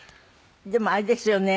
でもあれですよね。